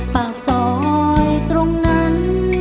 ปากซอยตรงนั้น